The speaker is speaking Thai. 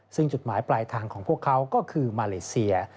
ซึ่งจุดหมายปลายทางของพวกเขาก็คือมาเลเซีย